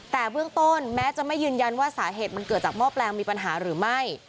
แต่เบื้องต้นแม้จะไม่ยืนยันว่าสาเหตุมันเกิดจากหม้อแปลงมีปัญหาหรือไม่